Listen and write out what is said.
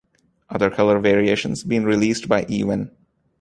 Other color variations been released by eWin.